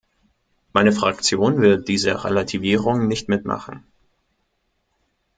Meine Fraktion wird diese Relativierung nicht mitmachen.